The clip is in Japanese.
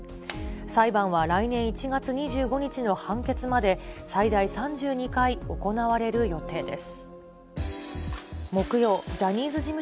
裁判は来年１月２５日の判決まで最大３２回行われる予定です。